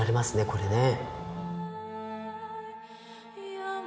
これね。